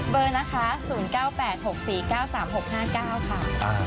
เบอร์นะคะ๐๙๘๖๔๙๓๖๕๙ค่ะ